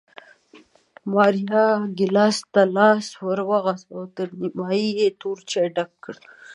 ماریا ګېلاس ته لاس ور وغځاوه، تر نیمایي یې له تور چای ډک کړ